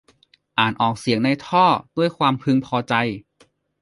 อ่านออกเสียงในท่อด้วยความพึงพอใจ